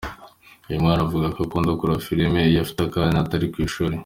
Uyu mwana avuga ko anakunda kureba filme iyo afite akanya atari ku ishuri.